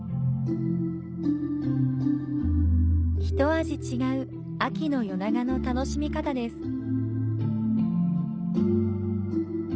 ひと味違う秋の夜長の楽しみ方です。